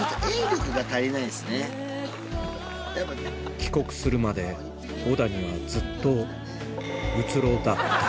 帰国するまで小谷はずっと虚ろだった